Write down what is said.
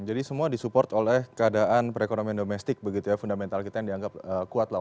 jadi semua disupport oleh keadaan perekonomian domestik begitu ya fundamental kita yang dianggap kuat lah